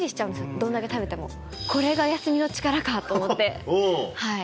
どんだけ食べてもこれが休みの力か！と思って。